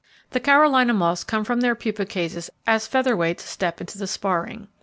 The Carolina moths come from their pupa cases as featherweights step into the sparring.